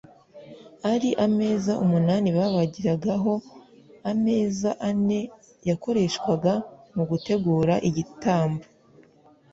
Ari ameza umunani babagiragaho ameza ane yakoreshwaga mu gutegura igitambo